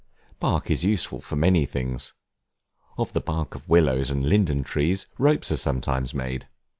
Bark is useful for many things: of the bark of willows and linden trees, ropes are sometimes made.